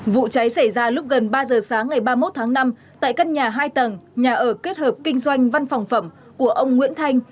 vụ cháy xảy ra lúc gần ba giờ sáng ngày ba mươi một tháng năm tại căn nhà hai tầng nhà ở kết hợp kinh doanh văn phòng phẩm của ông nguyễn thanh